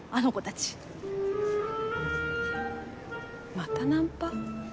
またナンパ？